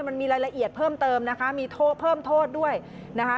มันมีรายละเอียดเพิ่มเติมนะคะมีโทษเพิ่มโทษด้วยนะคะ